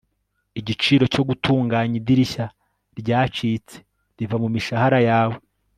igiciro cyo gutunganya idirishya ryacitse riva mumishahara yawe